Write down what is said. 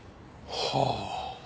はあ。